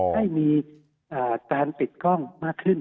ให้มีการติดกล้องมากขึ้น